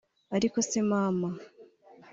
Ariko se mama